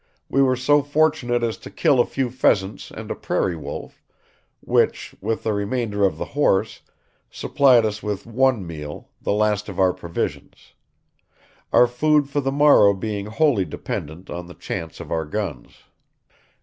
We were so fortunate as to kill a few pheasants and a prairie wolf, which, with the remainder of the horse, supplied us with one meal, the last of our provisions; our food for the morrow being wholly dependent on the chance of our guns."